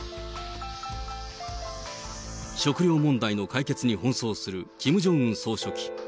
食料問題の解決に奔走するキム・ジョンウン総書記。